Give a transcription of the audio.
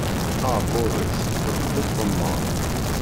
Aɛebbuḍ-is, d bu tɣemmaṛ.